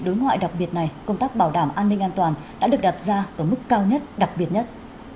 đối ngoại đặc biệt này công tác bảo đảm an ninh an toàn đã được đặt ra ở mức cao nhất đặc biệt nhất